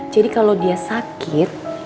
jadi kalau dia sakit